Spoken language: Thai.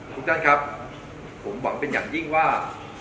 ทุกท่านครับผมหวังเป็นอย่างยิ่งว่า